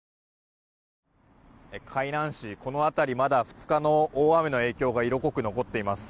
海南市、この辺り２日の大雨の影響が色濃く残っています。